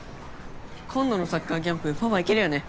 今度のサッカーキャンプパパ行けるよね？